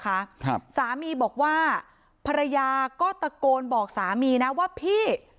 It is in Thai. ครับสามีบอกว่าภรรยาก็ตะโกนบอกสามีนะว่าพี่